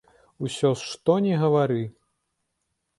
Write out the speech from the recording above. Усё ж што ні гавары.